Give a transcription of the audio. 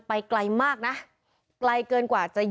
ทางคุณชัยธวัดก็บอกว่าการยื่นเรื่องแก้ไขมาตรวจสองเจน